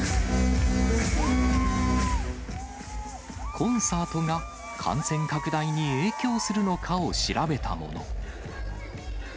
コンサートが感染拡大に影響するのかを調べたもの。